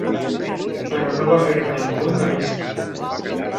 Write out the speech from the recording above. Però no va perdre el món de vista.